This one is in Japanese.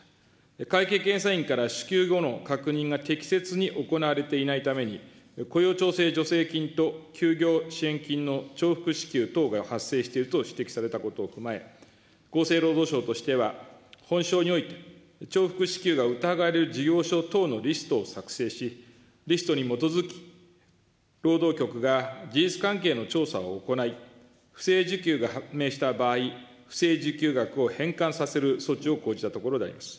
会計検査院から、支給後の確認が適切に行われていないために、雇用調整助成金と休業支援金の重複支給等が発生していると指摘されたことを踏まえ、厚生労働省としては、本省において重複支給が疑われる事業所等のリストを作成し、リストに基づき、労働局が事実関係の調査を行い、不正受給が判明した場合、不正受給額を返還させる措置を講じたところであります。